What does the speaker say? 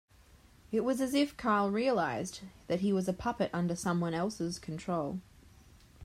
It was as if Carl realised that he was a puppet under someone else's control.